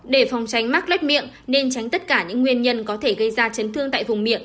để phòng tránh mắc lách miệng nên tránh tất cả những nguyên nhân có thể gây ra chấn thương tại vùng miệng